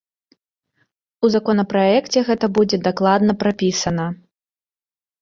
У законапраекце гэта будзе дакладна прапісана.